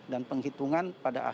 dan penghitungan pada akhirnya